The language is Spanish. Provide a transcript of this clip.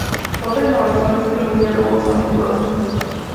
Otra innovación es que los diálogos son en prosa.